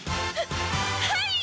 はい！